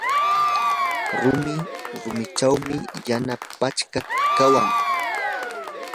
rumi rumichawmi yana pachka kawan.